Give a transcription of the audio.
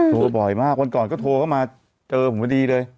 บ่อยมากวันก่อนก็โทรเข้ามาเจอผมพอดีเลย